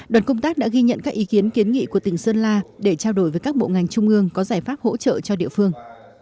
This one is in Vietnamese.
đoàn công tác đã ghi nhận các ý kiến kiến nghị của tỉnh sơn la để trao đổi với các bộ ngành trung ương có giải pháp hỗ trợ cho địa phương